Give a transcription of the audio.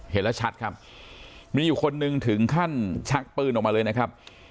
เห็นแล้วชัดครับมีอยู่คนนึงถึงขั้นชักปืนออกมาเลยนะครับ